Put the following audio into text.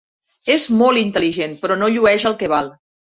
És molt intel·ligent, però no llueix el que val.